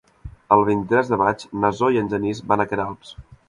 El vint-i-tres de maig na Zoè i en Genís van a Queralbs.